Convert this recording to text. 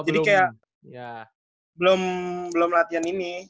jadi kayak belum latihan ini